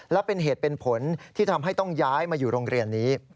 และเป็นเหตุเป็นผลที่ทำให้ต้องย้ายมาอยู่โรงเรียนนี้